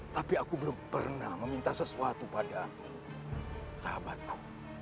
tapi aku belum pernah meminta sesuatu pada sahabatku